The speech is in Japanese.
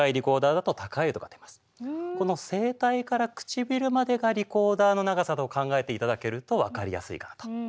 この声帯から唇までがリコーダーの長さと考えていただけると分かりやすいかなと思います。